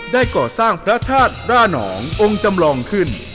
ได้ก่อสร้างพระธาตุร่านององค์จำลองขึ้น